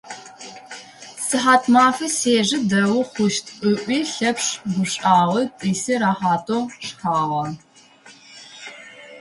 Сыхьатмафэ сежьи, дэгъоу хъущт, - ыӏуи Лъэпшъ гушӏуагъэ, тӏыси рэхьатэу шхагъэ.